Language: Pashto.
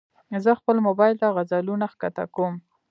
زه خپل موبایل ته غزلونه ښکته کوم.